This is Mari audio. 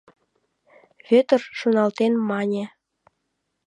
— Вӧдыр шоналтен мане.